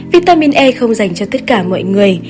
vitamin e không dành cho tất cả mọi người